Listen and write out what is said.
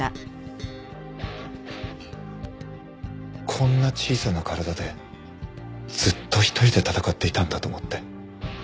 こんな小さな体でずっと一人で闘っていたんだと思って。